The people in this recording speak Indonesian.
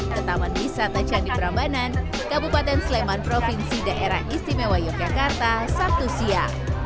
ke taman bisata candi prambanan kabupaten sleman provinsi daerah istimewa yogyakarta satusia